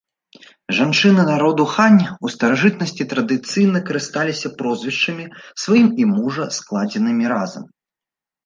Жанчыны народу хань у старажытнасці традыцыйна карысталіся прозвішчамі, сваім і мужа, складзенымі разам.